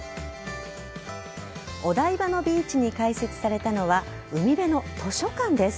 お台場のビーチに開設されたのは海辺の図書館です。